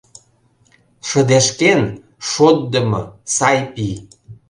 Шыдешкен, шотдымо... сай пий...